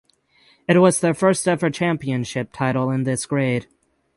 It was their first ever championship title in this grade.